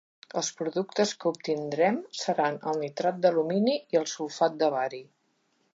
Els productes que obtindrem seran el Nitrat d'Alumini i el Sulfat de Bari.